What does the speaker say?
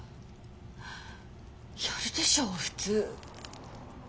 やるでしょ普通。